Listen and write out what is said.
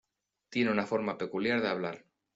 Tiene una forma peculiar de hablar.